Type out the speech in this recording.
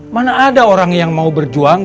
mana ada orang yang mau berjuang